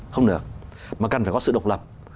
không được mà cần phải có sự độc lập